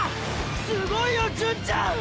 すごいよ純ちゃん！！